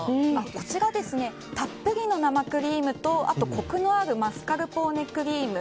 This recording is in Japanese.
こちらたっぷりの生クリームとコクのあるマスカルポーネクリーム